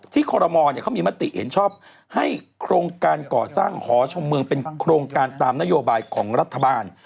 คอรมอลเขามีมติเห็นชอบให้โครงการก่อสร้างหอชมเมืองเป็นโครงการตามนโยบายของรัฐบาล